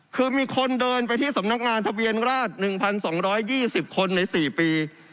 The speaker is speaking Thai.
คือมีคนเดินไปที่สำนักงานทะเบียนราช๑๒๒๐คนใน๔ปี